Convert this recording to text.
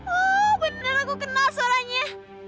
oh beneran aku kenal suaranya